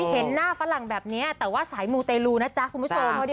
เห็นหน้าฝรั่งแบบนี้แต่ว่าสายมูเตลูนะจ๊ะคุณผู้ชม